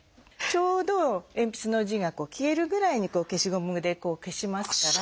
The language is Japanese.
ちょうど鉛筆の字が消えるぐらいに消しゴムで消しますから。